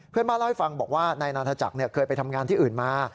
เพื่อนบ้านเล่าให้ฟังบอกว่านายนาธจักรเคยไปทำงานที่อื่นมา